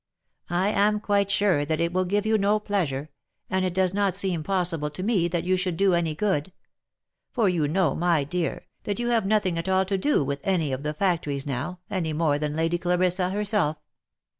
I am quite sure that it will give you no pleasure, and it does not seem possible to me that you should do any good ; for you know, my dear, that you have nothing at all to do with any of the factories now, any more than Lady Clarissa herself.